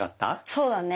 そうだね。